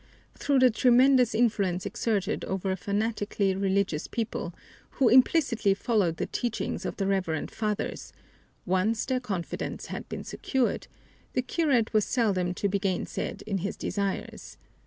Through the tremendous influence exerted over a fanatically religious people, who implicitly followed the teachings of the reverend fathers, once their confidence had been secured, the curate was seldom to be gainsaid in his desires.